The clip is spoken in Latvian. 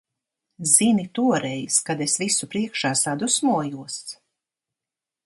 Zini, toreiz, kad es visu priekšā sadusmojos?